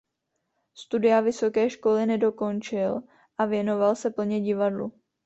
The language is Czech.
Studia vysoké školy nedokončil a věnoval se plně divadlu.